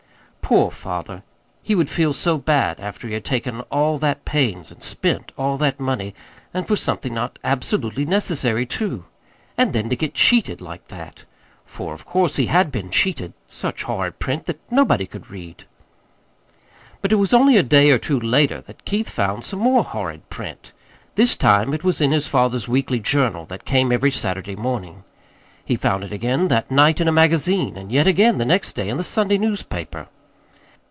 Poor father! He would feel so bad after he had taken all that pains and spent all that money and for something not absolutely necessary, too! And then to get cheated like that. For, of course, he had been cheated such horrid print that nobody could read. But it was only a day or two later that Keith found some more horrid print. This time it was in his father's weekly journal that came every Saturday morning. He found it again that night in a magazine, and yet again the next day in the Sunday newspaper.